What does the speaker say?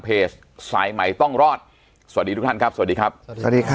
เพจสายใหม่ต้องรอดสวัสดีทุกท่านครับสวัสดีครับสวัสดีครับ